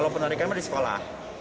kalau penarikan di sekolah